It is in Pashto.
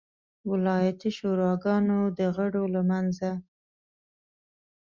ولایتي شوراګانو د غړو له منځه.